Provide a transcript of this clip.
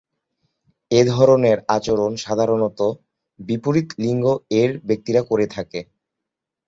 এ ধরণের আচরণ সাধারণত বিপরীত লিঙ্গ-এর ব্যক্তিরা করে থাকে।